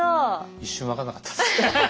一瞬分かんなかったです。